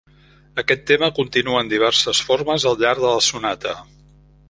Aquest tema continua en diverses formes al llarg de la sonata.